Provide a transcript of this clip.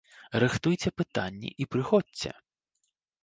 Рыхтуйце пытанні і прыходзьце!